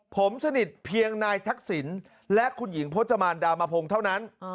ผมสนิทเพียงนายทักษิณและคุณหญิงพจมานดามพงศ์เท่านั้น